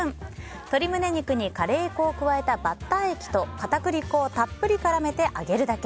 鶏むね肉にカレー粉を加えたバッター液と片栗粉をたっぷり絡めて揚げるだけ。